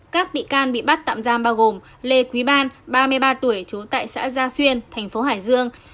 các bị can bị bắt tạm giam bao gồm lê quý ban ba mươi ba tuổi trú tại xã gia xuyên thành phố hải dương